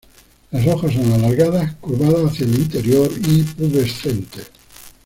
Las hojas son alargadas, curvadas hacia el interior y pubescentes.